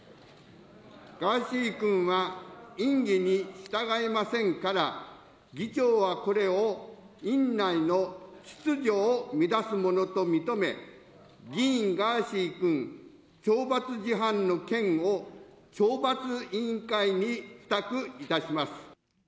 ガーシー君は院議に従いませんから、議長はこれを院内の秩序を乱すものと認め、議員、ガーシー君、懲罰事犯の件を懲罰委員会に付託いたします。